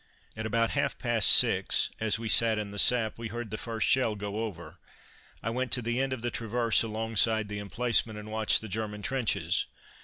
At about half past six, as we sat in the sap, we heard the first shell go over. I went to the end of the traverse alongside the emplacement, and watched the German trenches.